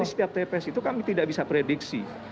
di setiap tps itu kami tidak bisa prediksi